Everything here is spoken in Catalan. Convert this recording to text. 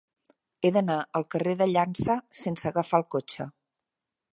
He d'anar al carrer de Llança sense agafar el cotxe.